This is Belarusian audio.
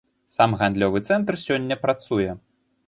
Сам гандлёвы цэнтр сёння працуе.